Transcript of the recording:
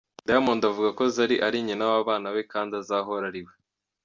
Diamond avuga ko Zari ari nyina w'abana be kandi azahora ari we.